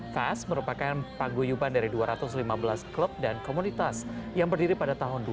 kas merupakan paguyuban dari dua ratus lima belas klub dan komunitas yang berdiri pada tahun dua ribu dua